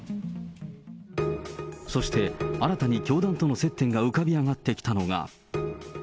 そして新たに教団との接点が浮かび上がってきたのが。